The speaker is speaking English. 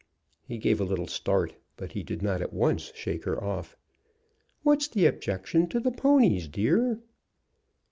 He gave a little start, but he did not at once shake her off. "What's the objection to the ponies, dear?"